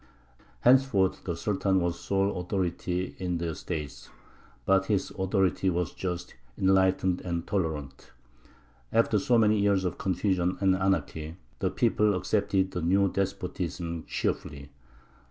Henceforth the Sultan was the sole authority in the State; but his authority was just, enlightened, and tolerant. After so many years of confusion and anarchy, the people accepted the new despotism cheerfully.